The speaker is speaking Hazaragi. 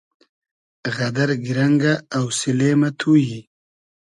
غئدئر گیرئنگۂ اۆسیلې مۂ تو یی